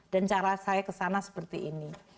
dan cara saya ke sana seperti ini